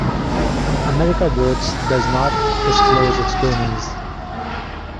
America Votes does not disclose its donors.